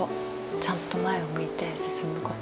ちゃんと前を向いて進むこと。